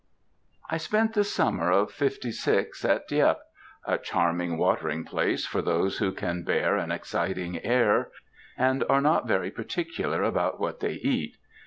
I spent the summer of fifty six at Dieppe a charming watering place for those who can bear an exciting air, and are not very particular about what they eat.